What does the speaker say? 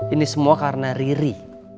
ini semua karena riri